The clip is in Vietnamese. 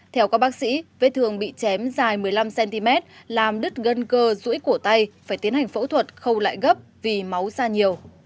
theo các bác sĩ vết thương bị chém dài một mươi năm cm làm đứt gân cơ rũi của tay phải tiến hành phẫu thuật khâu lại gấp vì máu da nhiều